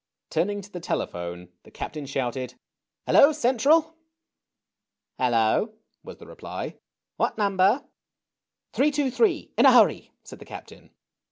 Turning to the telephone the Captain shouted, " Hello, Central !"'' Hello !" was the reply. " What number ?"" 323, in a hurry !" said the Captain.